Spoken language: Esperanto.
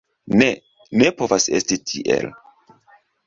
Ne, ne povas esti tiel.